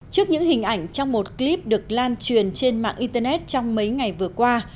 trước những hình ảnh trong một clip được lan truyền trên mạng internet trong mấy ngày vừa qua